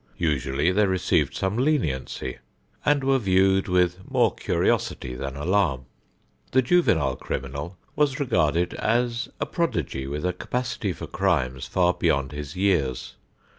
Usually they received some leniency, and were viewed with more curiosity than alarm. The juvenile criminal was regarded as a prodigy with a capacity for crimes far beyond his years.